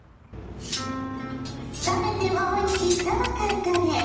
冷めてもおいしいさば缶カレー。